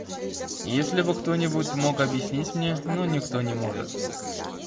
Если бы кто-нибудь мог объяснить мне, но никто не может.